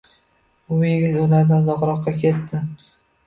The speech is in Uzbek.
U yigit ulardan uzoqroqqa ketdi